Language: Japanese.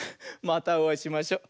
またおあいしましょ。